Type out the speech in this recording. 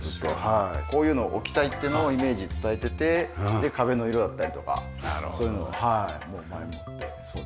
こういうのを置きたいっていうのをイメージ伝えててで壁の色だったりとかそういうのも前もって。